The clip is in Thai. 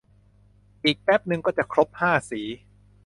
อีกแป๊บนึงก็จะครบห้าสี